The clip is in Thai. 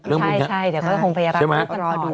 ใช่เดี๋ยวเขาก็คงไปรับลูก